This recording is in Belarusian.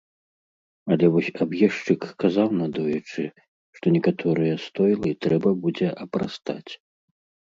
Але вось аб'ездчык казаў надоечы, што некаторыя стойлы трэба будзе апрастаць.